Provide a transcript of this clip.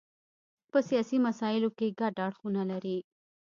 په سیاسي مسایلو کې ګډ اړخونه لري.